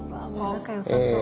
仲よさそう。